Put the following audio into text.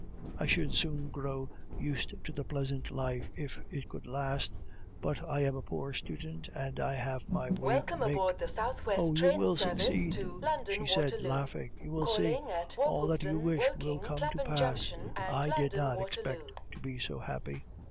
"I should soon grow used to the pleasant life if it could last, but I am a poor student, and I have my way to make." "Oh! you will succeed," she said laughing. "You will see. All that you wish will come to pass. I did not expect to be so happy."